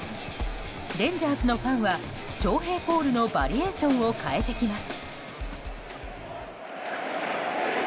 レンジャーズのファンは翔平コールのバリエーションを変えてきます。